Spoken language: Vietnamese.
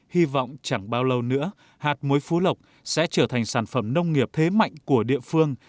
hy vọng chẳng bao lâu nữa hạt muối phú lộc sẽ trở thành sản phẩm nông nghiệp thế mạnh của địa phương